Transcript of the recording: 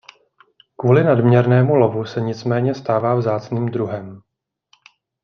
Kvůli nadměrnému lovu se nicméně stává vzácným druhem.